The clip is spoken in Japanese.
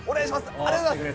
ありがとうございます！